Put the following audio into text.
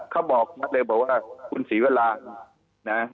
เขาบอกมาเลยแบบว่าครูซศิริวราชนะ